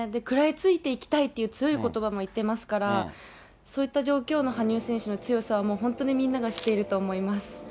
食らいついていきたいっていう強いことばも言っていますから、そういった状況の羽生選手の強さはもう、本当にみんなが知っていると思います。